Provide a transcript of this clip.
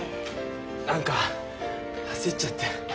何か焦っちゃって。